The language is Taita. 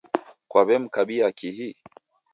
Kwaw'emkabia kihi?